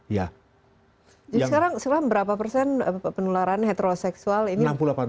jadi sekarang berapa persen penularan heteroseksual ini